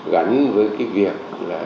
gắn với cái việc